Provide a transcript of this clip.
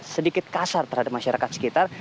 sedikit kasar terhadap masyarakat sekitar